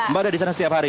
mbak ada disana setiap hari